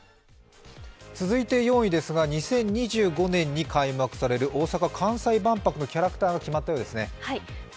続いて４位ですが、２０２５年に開幕される大阪・関西万博のキャラクターが決まったようですね。